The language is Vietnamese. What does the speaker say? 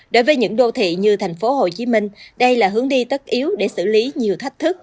đối với những đô thị như thành phố hồ chí minh đây là hướng đi tất yếu để xử lý nhiều thách thức